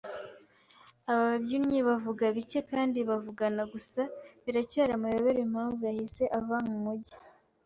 Ababyinnyi bavugaga bike kandi bavugana gusa. Biracyari amayobera impamvu yahise ava mumujyi.